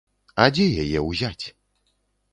А дзе яе ўзяць?